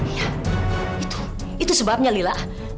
iya itu itu sebabnya lila